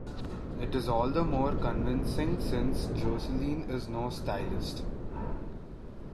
It is all the more convincing since Jocelyn is no stylist.